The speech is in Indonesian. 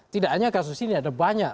tidak hanya kasus ini ada banyak